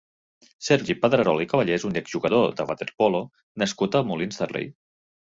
Sergi Pedrerol i Cavallé és un ex-jugador de waterpolo nascut a Molins de Rei.